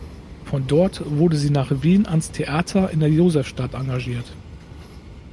Von dort wurde sie nach Wien ans Theater in der Josefstadt engagiert.